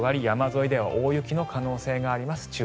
山沿いでは大雪の可能性があります。